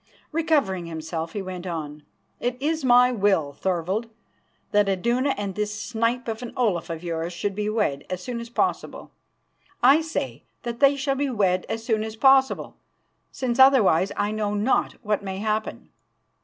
Recovering himself, he went on: "It is my will, Thorvald, that Iduna and this snipe of an Olaf of yours should be wed as soon as possible. I say that they shall be wed as soon as possible, since otherwise I know not what may happen."